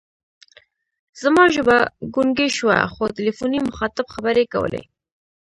زما ژبه ګونګۍ شوه، خو تلیفوني مخاطب خبرې کولې.